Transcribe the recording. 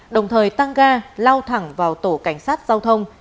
đồng thời tăng ga lao thẳng vào tổ cảnh sát giao thông